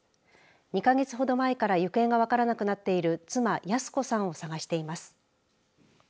２か月ほど前から行方が分らなくなっている妻、泰子さんを探しています。